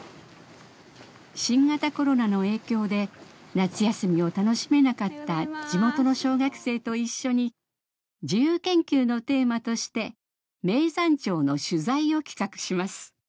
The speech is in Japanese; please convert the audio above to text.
新型コロナの影響で夏休みを楽しめなかった地元の小学生と一緒に自由研究のテーマとして名山町の取材を企画します。